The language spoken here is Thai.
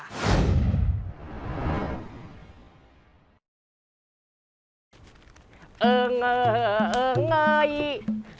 เอิงเอิงเอิงเอิง